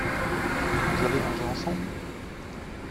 Vous avez mangé ensemble ?